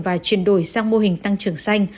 và chuyển đổi sang mô hình tăng trưởng xanh